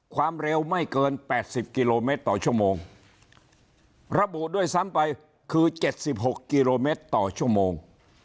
ความเร็วไม่เกินแปดสิบเกลโมเมตรต่อชั่วโมงระบุด้วยซ้ำไปคือเจ็ดสิบหกเกลโมเมตรต่อชั่วโมง